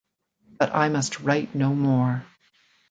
But I must write no more.